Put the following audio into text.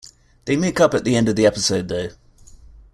They make up at the end of the episode though.